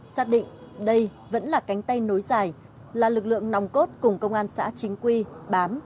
xác định đây vẫn là cánh tay nối dài là lực lượng nòng cốt cùng công an xã chính quy bám